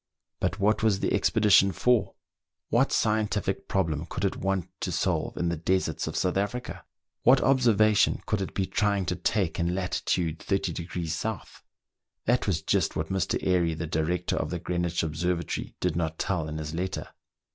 But what was the expedition for.? What scientific problem could it want to solve in the deserts of South Africa .? What observation could it be trying to take in lat. 30° S.."* That was just what Mr. Airy, the director of the Greenwich Observatory, did not tell in his letter.